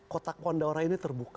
kotak kondoran ini terbuka